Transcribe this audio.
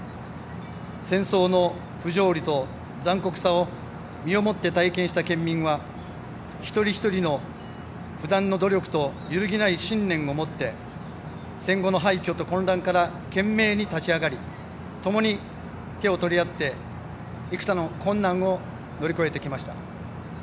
戦争の不条理と残酷さを身をもって体験した県民は一人一人の不断の努力と揺るぎない信念を持って戦後の廃虚と混乱から懸命に立ち上がり共に手を取り合って幾多の困難を乗り越えてきました。